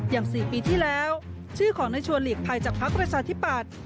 อย่าง๔ปีที่แล้วชื่อของในช่วงศูนย์หลีกภัยจากพักประชาธิปทธ์